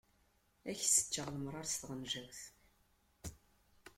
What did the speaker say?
Ad ak-seččeɣ lemṛaṛ s tɣenjawt.